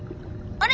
あれ？